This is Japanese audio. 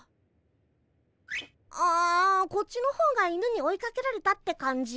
あこっちの方が犬に追いかけられたって感じ。